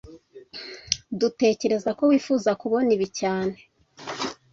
Dutekereza ko wifuza kubona ibi cyane